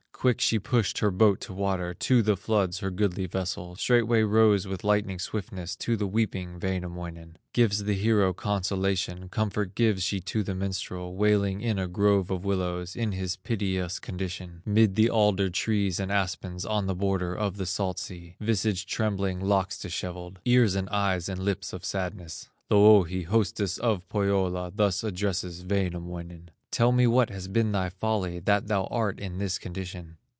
Quick she pushed her boat to water, To the floods her goodly vessel, Straightway rows with lightning swiftness, To the weeping Wainamoinen; Gives the hero consolation, Comfort gives she to the minstrel Wailing in a grove of willows, In his piteous condition, Mid the alder trees and aspens, On the border of the salt sea, Visage trembling, locks dishevelled, Ears, and eyes, and lips of sadness. Louhi, hostess of Pohyola, Thus addresses Wainamoinen: "Tell me what has been thy folly, That thou art in this condition."